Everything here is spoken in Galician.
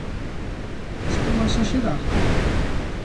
Estou a esaxerar?